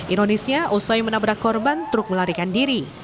ironisnya usai menabrak korban truk melarikan diri